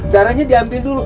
darahnya diambil dulu